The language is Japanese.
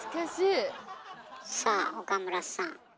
さあ岡村さん。